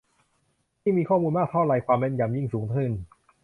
ยิ่งมีข้อมูลมากเท่าไร ความแม่นยำยิ่งสูงขึ้น